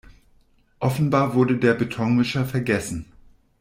Offenbar wurde der Betonmischer vergessen.